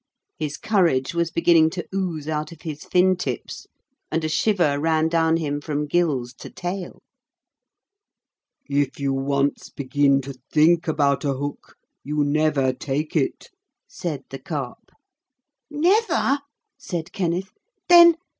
His courage was beginning to ooze out of his fin tips, and a shiver ran down him from gills to tail. 'If you once begin to think about a hook you never take it,' said the Carp. 'Never?' said Kenneth 'Then ...